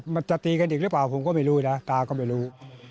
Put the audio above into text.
มันจะตีกันอีกหรือเปล่าผมก็ไม่รู้นะตาก็ไม่รู้